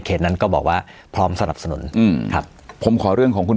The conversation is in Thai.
นั้นก็บอกว่าพร้อมสนับสนุนอืมครับผมขอเรื่องของคุณ